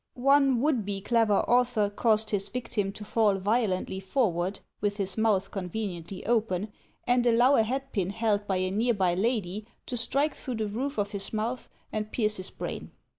One would be clever author caused his victim to fall vio lently forward (with his mouth conveniently open), and allow a hatpin held by a near by lady to strike through the roof of his mouth and pierce his brain.